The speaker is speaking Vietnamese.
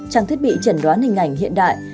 trang thiết bị chẩn đoán hình ảnh hiện đại